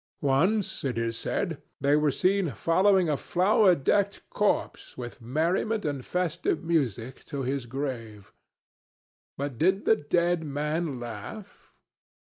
Once, it is said, they were seen following a flower decked corpse with merriment and festive music to his grave. But did the dead man laugh?